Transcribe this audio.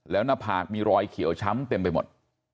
แล้วหน้าผากมีรอยเขียวช้ำเต็มไปหมด